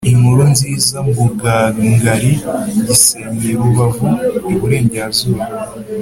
Inkurunziza mbugangari gisenyirubavu iburengerazuba